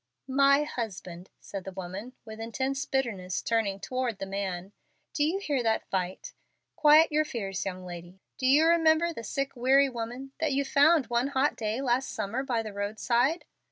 "'My husband!'" said the woman, with intense bitterness, turning toward the man. "Do you hear that, Vight? Quiet your fears, young lady. Do you remember the sick, weary woman that you found one hot day last summer by the roadside?